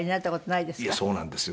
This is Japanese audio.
いやそうなんですよ。